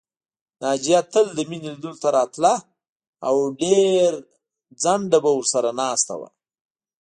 ناجیه تل د مينې لیدلو ته راتله او ډېر ځنډه به ورسره ناسته وه